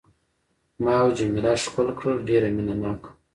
ما او جميله ښکل کړل، ډېر مینه ناک وو.